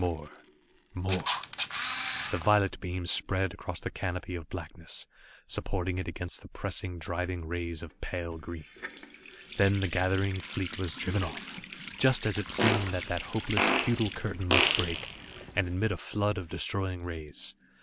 More more The violet beam spread across the canopy of blackness, supporting it against the pressing, driving rays of pale green. Then the gathering fleet was driven off, just as it seemed that that hopeless, futile curtain must break, and admit a flood of destroying rays.